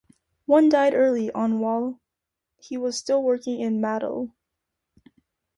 One died early on while he was still working in Matale.